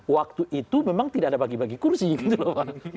waktu itu memang tidak ada bagi bagi kursi gitu loh pak